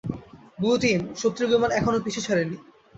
Blue team, শত্রু বিমান এখনো পিছু ছাড়েনি।